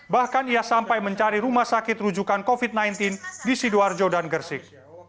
bahkan ia sampai mencari rumah sakit rujukan covid sembilan belas di sidoarjo dan gersik